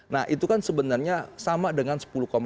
nah itu kan sebenarnya sama dengan sepuluh tujuh